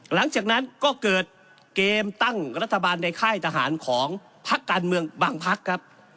หลังจากนั้นก็เกิดเกมตั้งรัฐบาลในค่ายทหารของพักการเมืองบางพักครับ